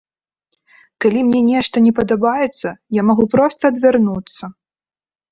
Калі мне нешта не падабаецца, я магу проста адвярнуцца.